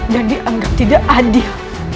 dan dianggap tidak adil